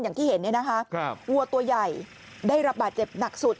อย่างที่เห็นเนี่ยนะคะวัวตัวใหญ่ได้รับบาดเจ็บหนักสุด